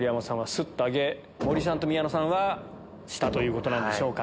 スッと挙げ森さんと宮野さんは下ということなんでしょうか。